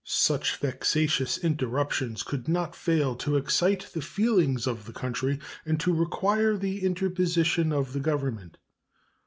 Such vexatious interruptions could not fail to excite the feelings of the country and to require the interposition of the Government.